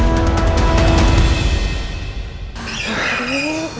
kenapa dewa selalu jauh dari papa gue jadi kasihan sama dewa